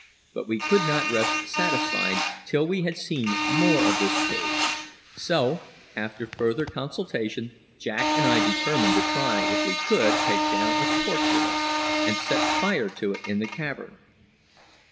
But we could not rest satisfied till we had seen more of this cave; so, after further consultation, Jack and I determined to try if we could take down a torch with us, and set fire to it in the cavern.